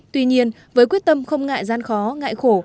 tuy nhiên với quyết tâm không ngại gian khó ngại khổ